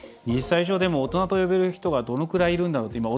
「２０歳以上でも大人と呼べる人がどのくらいいるんだろう」って。